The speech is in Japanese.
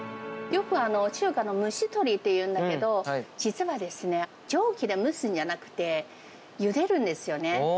よく中華の蒸し鶏っていうんだけど、実はですね、蒸気で蒸すんじゃなくて、ゆでるんですよね。